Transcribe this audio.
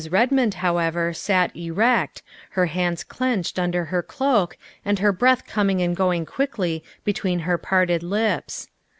Redmond, however, sat erect, her hands clinched under her cloak and her breath coming and going quickly between her parted lips.